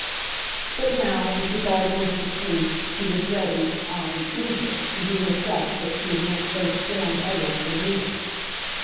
But now, with regard to Mr. Sleuth, she was ready, aye, eager, to do herself what she had once so scorned others for doing.